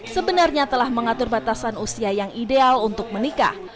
sebenarnya telah mengatur batasan usia yang ideal untuk menikah